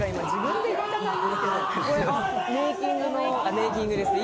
メーキングですね。